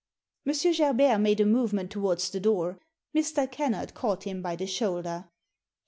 M. Gerbert made a movement towards the door. Mr. Kennard caught him by the shoulder.